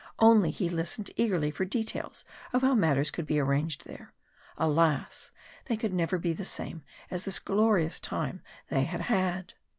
Only he listened eagerly for details of how matters could be arranged there. Alas! they could never be the same as this glorious time they had had.